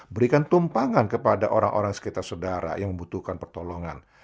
berikan tumpangan kepada orang orang sekitar saudara yang membutuhkan pertolongan